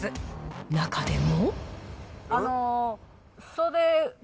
中でも。